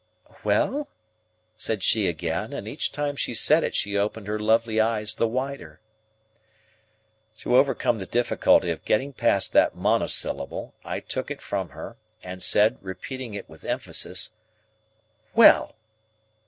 "Well?" said she again; and each time she said it, she opened her lovely eyes the wider. To overcome the difficulty of getting past that monosyllable, I took it from her, and said, repeating it with emphasis, "Well!